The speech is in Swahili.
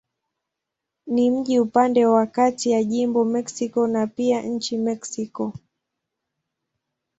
Ni mji upande wa kati ya jimbo Mexico na pia nchi Mexiko.